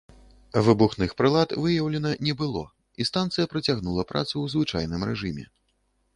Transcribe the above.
Выбухных прылад выяўлена не было, і станцыя працягнула працу ў звычайным рэжыме.